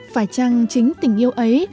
phải chăng chính tình yêu ấy